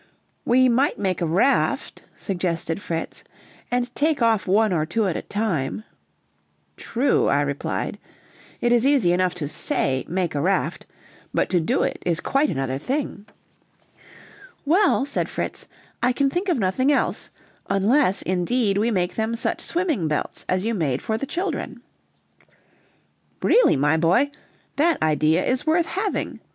"We might make a raft," suggested Fritz, "and take off one or two at a time." "True," I replied; "it is easy enough to say, 'make a raft,' but to do it is quite another thing." "Well," said Fritz, "I can think of nothing else, unless indeed we make them such swimming belts as you made for the children." "Really, my boy, that idea is worth having.